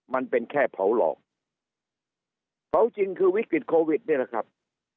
มันเป็นแค่เผาหลอกเผาจริงคือวิกฤตโควิดนี่แหละครับ